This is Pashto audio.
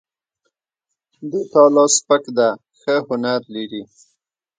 د تا لاس سپک ده ښه هنر لري